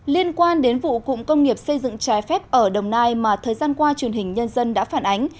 liên quan đến vụ cụm công nghiệp xây dựng trái phép ở đồng nai mà thời gian qua truyền hình nhân dân đã phản ánh